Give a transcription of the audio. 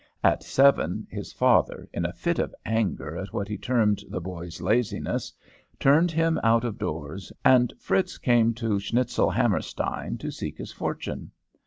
At seven his father, in a fit of anger at what he termed the boy's laziness, turned him out of doors, and Fritz came to Schnitzelhammerstein to seek his fortune.